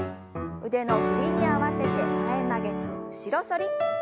腕の振りに合わせて前曲げと後ろ反り。